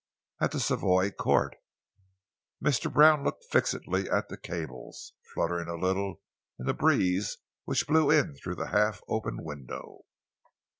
"At the Savoy Court." Mr. Brown looked fixedly at the cables, fluttering a little in the breeze which blew in through the half open window.